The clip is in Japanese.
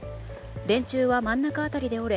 電柱は真ん中辺りで折れ